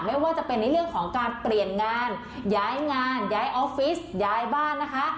ไม่ว่าจะเป็นในเรื่องของการเปลี่ยนงานย้ายงานย้ายออฟฟิศย้ายบ้านนะคะ